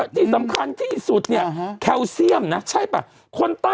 ที่สำคัญที่สุดเนี่ยแคลเซียมนะใช่ป่ะ